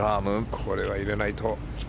これは入れないと。